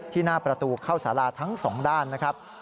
หน้าประตูเข้าสาราทั้งสองด้านนะครับ